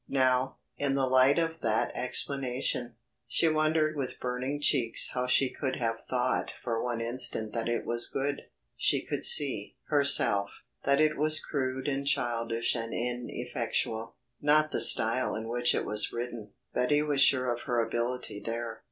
Now, in the light of that explanation, she wondered with burning cheeks how she could have thought for one instant that it was good. She could see, herself, that it was crude and childish and ineffectual; not the style in which it was written. Betty was sure of her ability there.